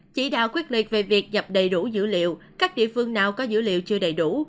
chỉ đạo quyết liệt về việc nhập đầy đủ dữ liệu các địa phương nào có dữ liệu chưa đầy đủ